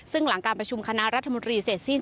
ซึ่งหลังการประชุมคณะรัฐมนตรีเสร็จสิ้น